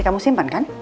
kamu simpan kan